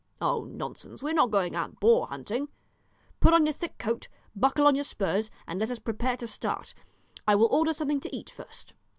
"Oh, nonsense; we are not going out boar hunting; put on your thick coat, buckle on your spurs, and let us prepare to start. I will order something to eat first."